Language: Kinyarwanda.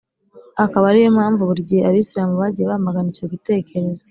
akaba ari yo mpamvu “buri gihe abisilamu bagiye bamagana icyo gitekerezo